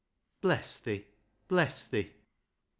Bless thi ! Bless thi !